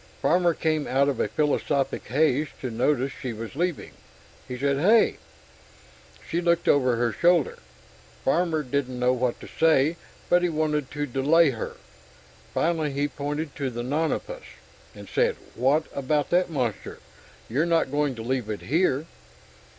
Farmer came out of a philosophic haze to notice she was leaving. He said, "Hey!" She looked over her shoulder. Farmer didn't know what to say, but he wanted to delay her. Finally, he pointed to the nonapus, and said, "What about that monster? You're not going to leave it here?"